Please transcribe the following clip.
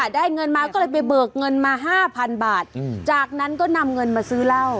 ได้เงินมาก็เลยไปเบิกเงินมา๕๐๐๐บาทจากนั้นก็นำเงินมาซื้อเหล้า